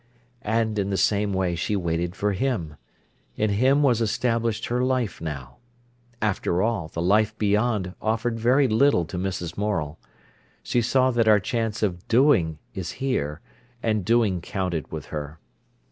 And in the same way she waited for him. In him was established her life now. After all, the life beyond offered very little to Mrs. Morel. She saw that our chance for doing is here, and doing counted with her.